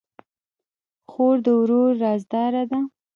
خور د ورور رازدار ده.